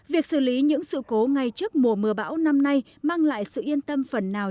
việc xử lý những sự cố ngay trước mùa mưa bão năm nay mang lại sự yên tâm phần nào